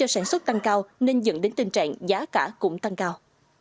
sản xuất tăng cao nên dẫn đến tình trạng giá cả cũng tăng cao